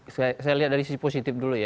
saya lihat dari sisi positif dulu ya